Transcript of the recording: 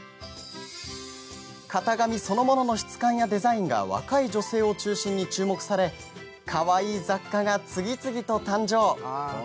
型紙そのものの質感やデザインが若い女性を中心に注目されかわいい雑貨が次々と誕生。